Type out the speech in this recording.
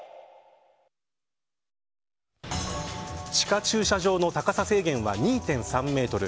地下駐車場の高さ制限は２．３メートル。